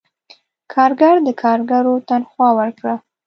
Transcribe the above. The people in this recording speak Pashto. سرکارګر د کارګرو تنخواه ورکړه.